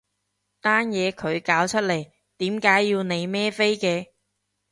單嘢佢搞出嚟，點解要你孭飛嘅？